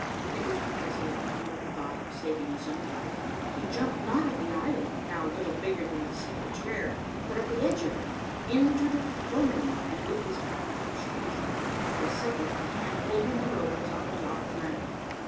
It was because he had no thought of saving his own life. He jumped, not at the island, now little bigger than the seat of a chair, but at the edge of it, into the foam, and with his arm outstretched. For a second the hand holding the rope was on the dot of land.